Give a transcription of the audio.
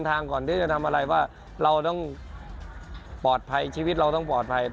ทางก่อนที่จะทำอะไรว่าเราต้องปลอดภัยชีวิตเราต้องปลอดภัย